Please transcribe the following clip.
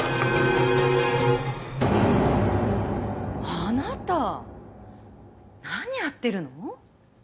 あなた何やってるの？